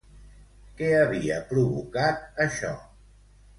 Què havia provocat això?